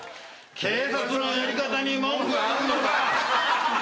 警察のやり方に文句あんのか？